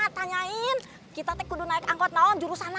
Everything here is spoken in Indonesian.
tanyain kita tuh mau naik angkot mana jurusan mana